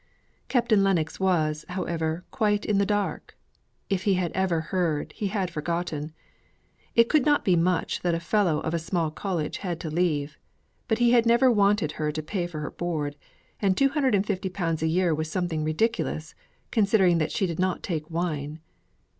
Captain Lennox was, however, quite in the dark; if he had ever heard, he had forgotten; it could not be much that a Fellow of a small College had to leave; but he had never wanted her to pay for her board; and two hundred and fifty pounds a year was something ridiculous, considering that she did not take wine.